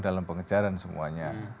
dalam pengejaran semuanya